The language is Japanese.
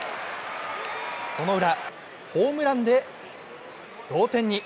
そのウラ、ホームランで同点に。